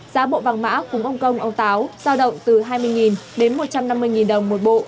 giá bộ vàng mã cúng ông công ông táo giao động từ hai mươi đến một trăm năm mươi đồng một bộ